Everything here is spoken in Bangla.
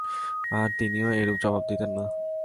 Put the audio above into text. আর তিনিও এরূপ জবাব দিতেন না।